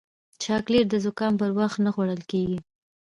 چاکلېټ د زکام پر وخت نه خوړل کېږي.